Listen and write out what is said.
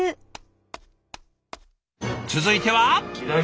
続いては。